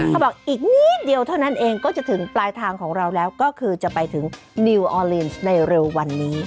เขาบอกอีกนิดเดียวเท่านั้นเองก็จะถึงปลายทางของเราแล้วก็คือจะไปถึงนิวออเลนส์ในเร็ววันนี้